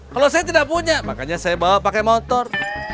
kalau saya tidak punya makanya saya bawa pakai motor